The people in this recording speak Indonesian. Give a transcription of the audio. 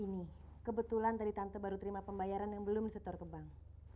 ini kebetulan tadi tante baru terima pembayaran yang belum disetor ke bank